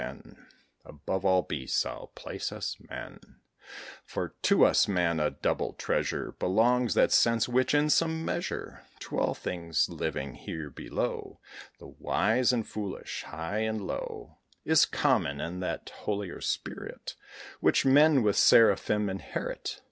Then Above all beasts I'll place us men; For to us men a double treasure Belongs that sense which, in some measure, To all things living here below, The wise and foolish, high and low, Is common; and that holier spirit Which men, with seraphim, inherit.